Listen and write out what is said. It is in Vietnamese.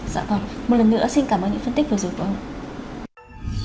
dạ vâng một lần nữa xin cảm ơn những phân tích vừa rồi